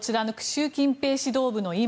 習近平指導部の今。